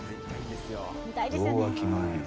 見たいですよね。